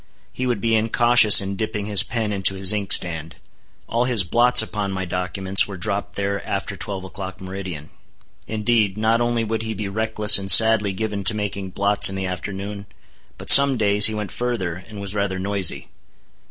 He would be incautious in dipping his pen into his inkstand. All his blots upon my documents, were dropped there after twelve o'clock, meridian. Indeed, not only would he be reckless and sadly given to making blots in the afternoon, but some days he went further, and was rather noisy.